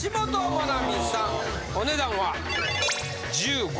お値段は？